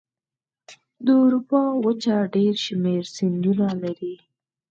د اروپا وچه ډېر شمیر سیندونه لري.